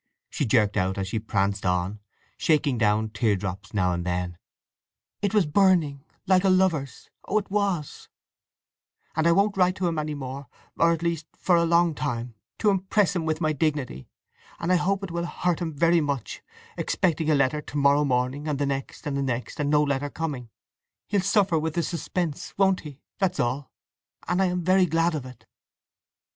she jerked out as she pranced on, shaking down tear drops now and then. "It was burning, like a lover's—oh, it was! And I won't write to him any more, or at least for a long time, to impress him with my dignity! And I hope it will hurt him very much—expecting a letter to morrow morning, and the next, and the next, and no letter coming. He'll suffer then with suspense—won't he, that's all!—and I am very glad of it!"